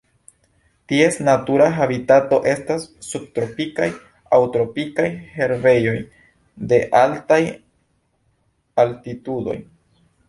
Ties natura habitato estas subtropikaj aŭ tropikaj herbejoj de altaj altitudoj.